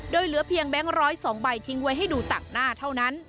โดยเหลือเพียงแบงค์๑๐๒ใบทิ้งไว้ให้ดูต่างหน้าเท่านั้น